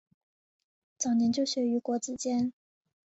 早年就学于国子监。